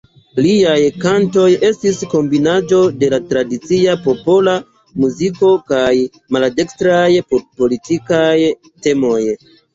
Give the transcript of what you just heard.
Liaj kantoj estis kombinaĵo de tradicia popola muziko kaj maldekstraj politikaj temoj.